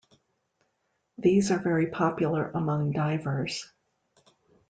These are very popular among divers.